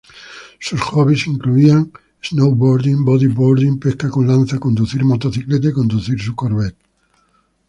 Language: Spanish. Sus hobbies incluían snowboarding, body-boarding, pesca con lanza, conducir motocicletas y conducir su Corvette.